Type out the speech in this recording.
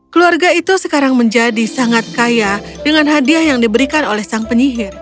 keluarga itu sekarang menjadi sangat kaya dengan hadiah yang diberikan oleh sang penyihir